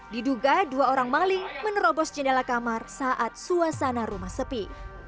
diduga dua orang maling menerobos jendela kamar saat suasana rumah sepi